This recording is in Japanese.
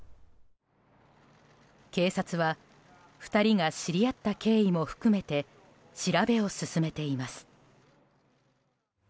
警察は２人が知り合った経緯も含めて調べを進めています。